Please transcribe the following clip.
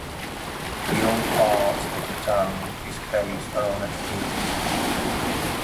The old part of the town is based around a hill.